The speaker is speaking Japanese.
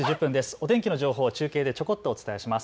お天気の情報を中継でちょこっとお伝えします。